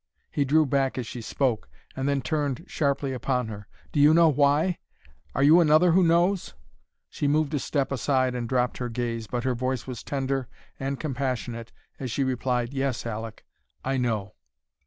He drew back as she spoke, and then turned sharply upon her. "Do you know why? Are you another who knows?" She moved a step aside and dropped her gaze, but her voice was tender and compassionate as she replied, "Yes, Aleck; I know."